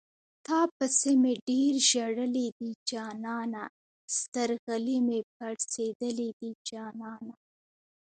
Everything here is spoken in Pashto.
تاپسې مې ډېر ژړلي دي جانانه سترغلي مې پړسېدلي دي جانانه